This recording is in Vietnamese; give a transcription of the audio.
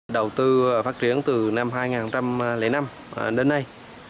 đầu tư phát triển từ năm hai nghìn năm đến nay